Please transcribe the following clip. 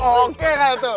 oke kak yato